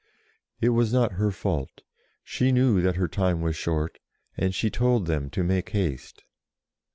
It was not her fault. She knew that her time was short, and she told them to make haste.